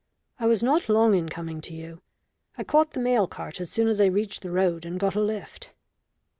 I was not long in coming to you. I caught the mail cart as soon as I reached the road, and got a lift."